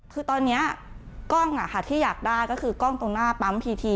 คือตอนนี้กล้องที่อยากได้ก็คือกล้องตรงหน้าปั๊มพีที